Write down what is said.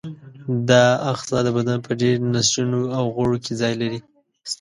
دا آخذه د بدن په ډېری نسجونو او غړو کې ځای لري.